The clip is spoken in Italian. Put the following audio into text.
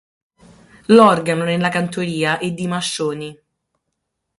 L'organo nella cantoria e di mascioni.